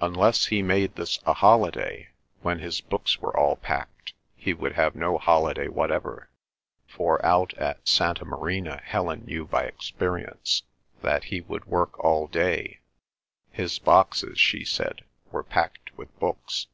Unless he made this a holiday, when his books were all packed, he would have no holiday whatever; for out at Santa Marina Helen knew, by experience, that he would work all day; his boxes, she said, were packed with books.